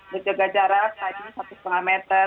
menjaga jarak tadinya satu lima meter